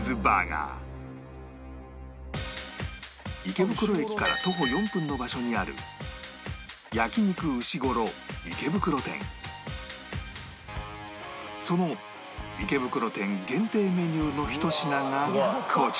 池袋駅から徒歩４分の場所にあるその池袋店限定メニューのひと品がこちら